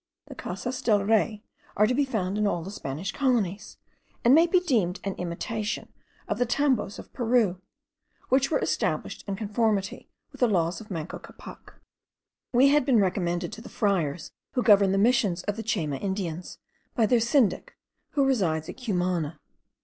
The Casas del Rey are to be found in all the Spanish colonies, and may be deemed an imitation of the tambos of Peru, which were established in conformity with the laws of Manco Capac. We had been recommended to the friars who govern the Missions of the Chayma Indians, by their syndic, who resides at Cumana.